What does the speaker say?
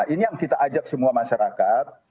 ini yang kita ajak semua masyarakat